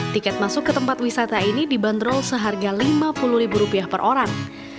tiket masuk ke tempat wisata ini dibanderol seharga lima puluh ribu rupiah per orang